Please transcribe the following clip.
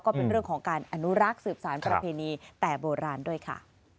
ก็เป็นเรื่องของการอนุรักษ์สืบสารประเพณีแต่โบราณด้วยค่ะ